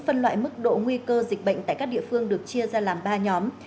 phân loại mức độ nguy cơ dịch bệnh tại các địa phương được chia ra làm ba nhóm